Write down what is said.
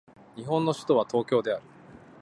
日本の首都は東京である